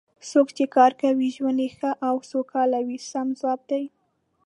څوک چې کار کوي ژوند یې ښه او سوکاله وي سم ځواب دی.